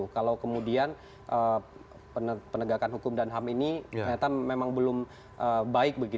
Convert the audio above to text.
kalau kemudian penegakan hukum dan ham ini ternyata memang belum baik